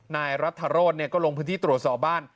นายรัฐโรธก็ลงพื้นที่ตรวจสอบบ้าน